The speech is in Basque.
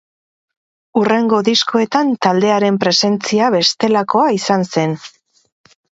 Hurrengo diskoetan taldearen presentzia bestelakoa izan zen.